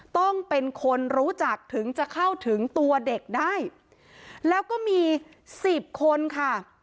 ต้องเป็นคนรู้จักถึงจะเข้าถึงตัวเด็กได้แล้วก็มีสิบคนค่ะ